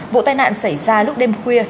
vụ tai nạn xảy ra lúc đêm khuya